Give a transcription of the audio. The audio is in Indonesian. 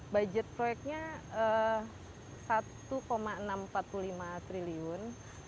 budget proyeknya rp satu enam ratus empat puluh lima triliun